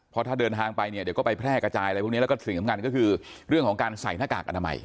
เพราะถ้าเดินทางไปเนี่ยเดี๋ยวก็ไปแพร่กระจายอะไรพวกนี้แล้วก็สิ่งสำคัญก็คือเรื่องของการใส่หน้ากากอนามัย